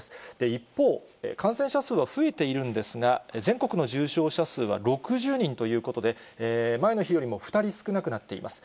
一方、感染者数は増えているんですが、全国の重症者数は６０人ということで、前の日よりも２人少なくなっています。